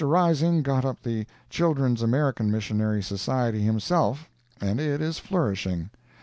Rising got up the Children's American Missionary Society himself, and it is flourishing.